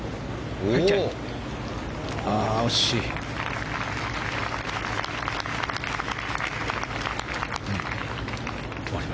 ああ、惜しい。